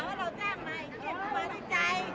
ต้องใจร่วม